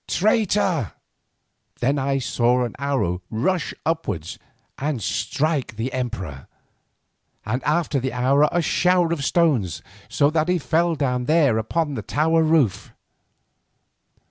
Traitor!"_ Then I saw an arrow rush upwards and strike the emperor, and after the arrow a shower of stones, so that he fell down there upon the tower roof.